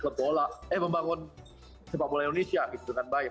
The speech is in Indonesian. dan ya jadinya kita pengen dong membangun sepak bola indonesia dengan baik